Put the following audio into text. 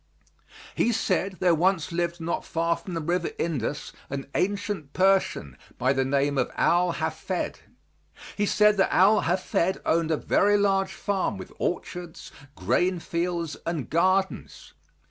He said there once lived not far from the River Indus an ancient Persian by the name of Al Hafed. He said that Al Hafed owned a very large farm with orchards, grain fields and gardens.